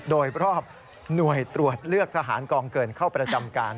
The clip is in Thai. โดยรอบหน่วยตรวจเลือกทหารกองเกินเข้าประจำการ